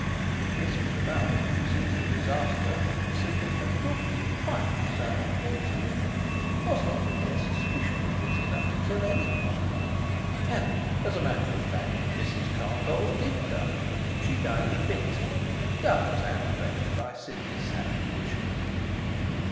It was whispered about that, since the disaster, Sidney had not been QUITE sound mentally. Was not the mere suspicion of this enough to kill any mother? And, as a fact, Mrs Carpole did die. She died of quinsy, doubtless aggravated by Sidney's sad condition.